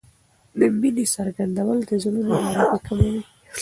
د مینې څرګندول د زړونو ناروغۍ کموي.